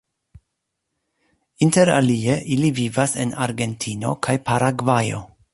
Inter alie ili vivas en Argentino kaj Paragvajo.